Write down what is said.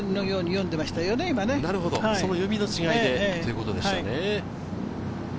読みの違いということでしたね。